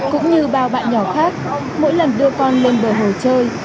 cũng như bao bạn nhỏ khác mỗi lần đưa con lên bờ hồ chơi